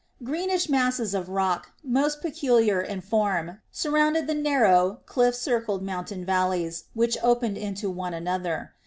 Greenish masses of rock, most peculiar in form, surrounded the narrow, cliff circled mountain valleys, which opened into one another.